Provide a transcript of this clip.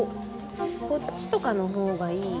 こっちとかのほうがいいかも。